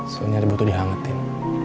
soalnya dia butuh dihangetin